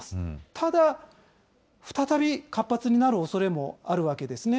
ただ、再び活発になるおそれもあるわけですね。